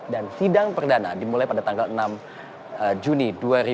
dan sidang perdana dimulai pada tanggal enam juni dua ribu dua puluh tiga